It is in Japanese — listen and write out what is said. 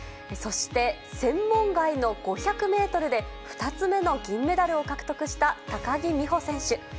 そして、専門外の５００メートルで２つ目の銀メダルを獲得した高木美帆選手。